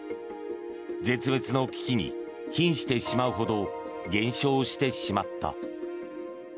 絶滅の危機にひんしてしまうほど減少してしまった。